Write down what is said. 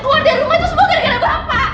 karim keluar dari rumah itu semua gara gara bapak